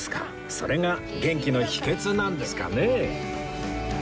それが元気の秘訣なんですかね？